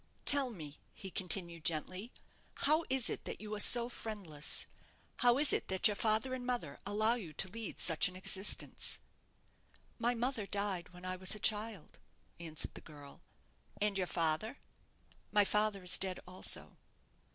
"Tell me," he continued, gently, "how is it that you are so friendless? How is it that your father and mother allow you to lead such an existence?" "My mother died when I was a child," answered the girl. "And your father?" "My father is dead also."